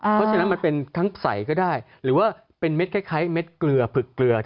เพราะฉะนั้นมันเป็นทั้งใสก็ได้หรือว่าเป็นเม็ดคล้ายเม็ดเกลือผึกเกลือ